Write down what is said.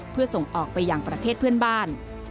เพื่อส่งออกไปอย่างประเทศเพื่อนบ้าน